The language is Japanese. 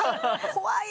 怖い。